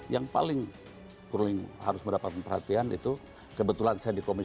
yang paling kurling harus mendapatkan perhatian